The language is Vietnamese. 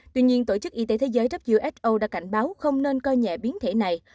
tuy nhiên tổ chức y tế thế giới who đã cảnh báo không nên coi nhẹ biến thể này